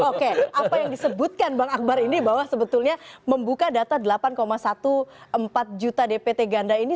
oke apa yang disebutkan bang akbar ini bahwa sebetulnya membuka data delapan empat belas juta dpt ganda ini sebenarnya punya motif politik sebenarnya